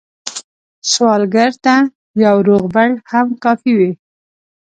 سوالګر ته یو روغبړ هم کافي وي